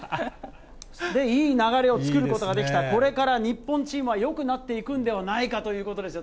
で、いい流れを作ることができた、これから日本チームはよくなっていくんではないかということです